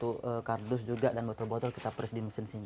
kartus juga dan botol botol kita fresh di mesin sini